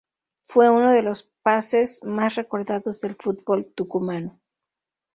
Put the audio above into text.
Fue uno de los pases más recordados del fútbol tucumano.